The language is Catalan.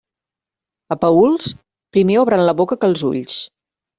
A Paüls, primer obren la boca que els ulls.